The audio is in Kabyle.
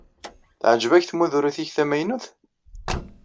Teɛjeb-ak tmudrut-ik tamaynut?